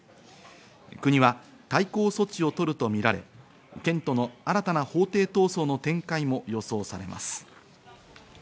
国は対抗措置をとるとみられ、県との新たな法廷闘争の展開も予想されます。